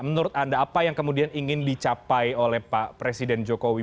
menurut anda apa yang kemudian ingin dicapai oleh pak presiden jokowi